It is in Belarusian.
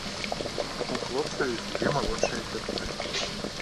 У хлопца ёсць дзве малодшыя сястры.